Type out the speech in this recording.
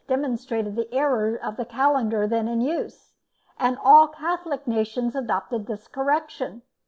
demonstrated the error of the calendar then in use, and all Catholic nations adopted his correction.